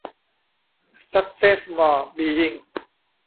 ซัคเซสมอร์ บีอิ้งค์